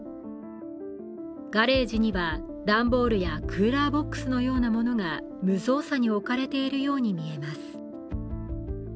ガレージには段ボールやクーラーボックスのようなものが無造作に置かれているように見えます。